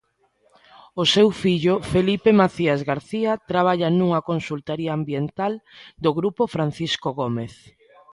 O seu fillo Felipe Macías García traballa nunha consultaría ambiental do grupo Francisco Gómez.